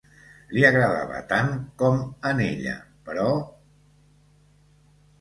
Li agradava tant com a n'ella, però...